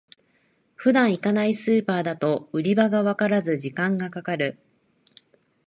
普段行かないスーパーだと売り場がわからず時間がかかる